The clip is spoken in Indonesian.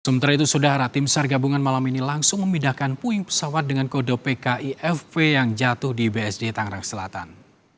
sementara itu saudara tim sar gabungan malam ini langsung memindahkan puing pesawat dengan kode pkifv yang jatuh di bsd tangerang selatan